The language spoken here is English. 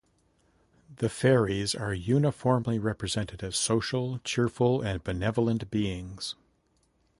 The fairies are uniformly represented as social, cheerful, and benevolent beings.